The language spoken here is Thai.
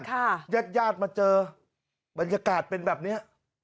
ญาติญาติมาเจอบรรยากาศเป็นแบบเนี้ย